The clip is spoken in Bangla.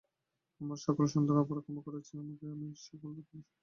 আমার সকল অপরাধ ক্ষমা করা হয়েছে, এবং আমি এখন স্বাধীন, সশস্ত্রও।